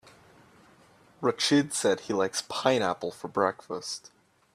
Rachid said he likes pineapple for breakfast.